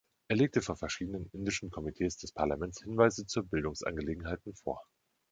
Er legte vor verschiedenen indischen Komitees des Parlaments Hinweise zu Bildungsangelegenheiten vor.